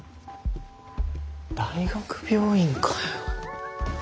大学病院かよ。